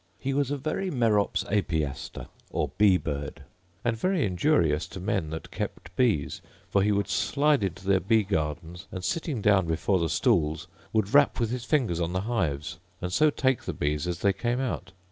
He was a very merops apiaster, or bee bird; and very injurious to men that kept bees; for he would slide into their bee gardens, and, sitting down before the stools, would rap with his finger on the hives, and so take the bees as they came out.